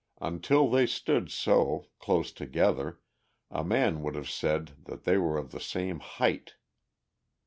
Until they stood so, close together, a man would have said that they were of the same height.